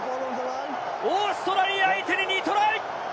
オーストラリア相手に２トライ！